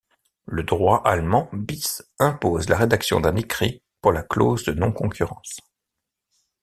Le droit allemand bis impose la rédaction d'un écrit pour la clause de non-concurrence.